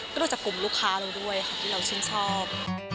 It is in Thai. ก็ดูจากกลุ่มลูกค้าเราด้วยค่ะที่เราชื่นชอบ